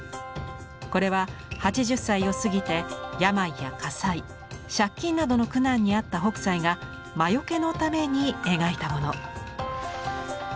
これは８０歳を過ぎて病や火災借金などの苦難に遭った北斎が魔よけのために描いたもの。